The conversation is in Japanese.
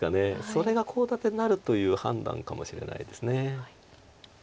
それがコウ立てになるという判断かもしれないです。